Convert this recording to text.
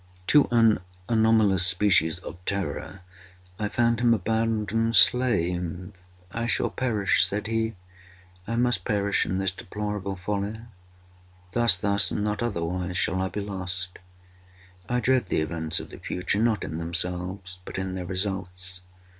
To an anomalous species of terror I found him a bounden slave. "I shall perish," said he, "I must perish in this deplorable folly. Thus, thus, and not otherwise, shall I be lost. I dread the events of the future, not in themselves, but in their results.